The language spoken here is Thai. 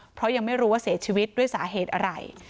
เพราะยังไม่รู้ว่าเสียชีวิตด้วยสาเหตุอะไร